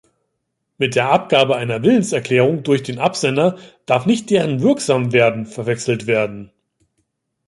Mit der Abgabe einer Willenserklärung durch den Absender darf nicht deren Wirksamwerden verwechselt werden.